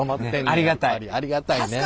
ありがたいね。